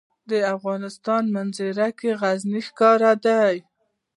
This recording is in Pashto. د افغانستان په منظره کې غزني ښکاره ده.